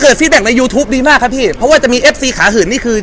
เพราะว่ามาถ่ายรายการของผมนั้นก็จะเป็นฟีลอย่างนี้ครับ